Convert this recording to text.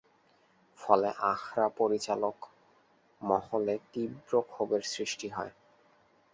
ফলে আখড়া পরিচালক মহলে তীব্র ক্ষোভের সৃষ্টি হয়।